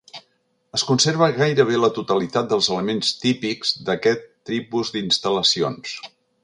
Es conserva gairebé la totalitat dels elements típics d'aquest tipus d'instal·lacions.